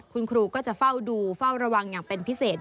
คุณครูก็จะเฝ้าดูเฝ้าระวังอย่างเป็นพิเศษ